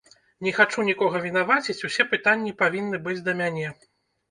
Не хачу нікога вінаваціць, усе пытанні павінны быць да мяне.